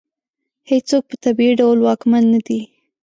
هېڅوک په طبیعي ډول واکمن نه دی.